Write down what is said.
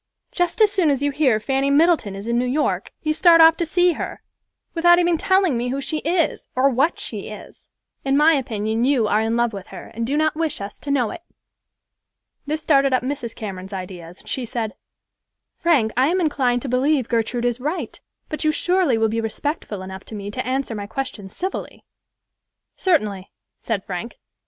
Just as soon as you hear Fanny Middleton is in New York, you start off to see her, without even telling me who she is, or what she is. In my opinion you are in love with her, and do not wish us to know it." This started up Mrs. Cameron's ideas, and she said, "Frank, I am inclined to believe Gertrude is right; but you surely will be respectful enough to me to answer my questions civilly." "Certainly," said Frank.